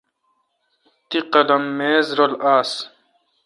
تی قلم میز رل نہ آس۔